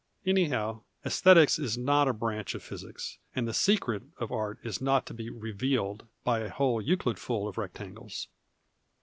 Anyhow, aesthetics is not a branch of physics, and the " secret " of art is not to be " revealed " by a whole Euclidful of rectangles.